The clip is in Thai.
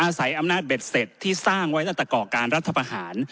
อาศัยอำนาจเบ็ดเสร็จที่สร้างไว้ตัดตะเกาะการรัฐภาภาษณ์